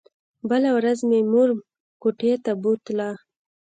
بله ورځ مې مور کوټې ته بوتله.